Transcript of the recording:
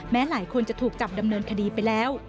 หลายคนจะถูกจับดำเนินคดีไปแล้ว